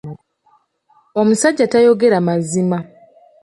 Omusajja tayogera mazima.